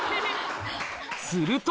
すると！